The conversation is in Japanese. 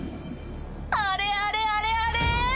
あれあれあれあれ？